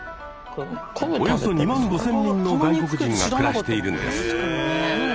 およそ２万５，０００人の外国人が暮らしているんです。